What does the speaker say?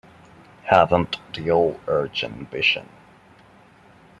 Haven't the old urge and ambition.